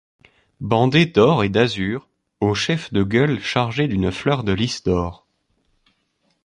Bandé d´or et d´azur; au chef de gueules chargé d´une fleur de lys d´or.